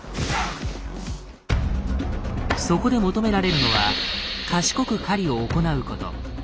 そこで求められるのは賢く狩りを行うこと。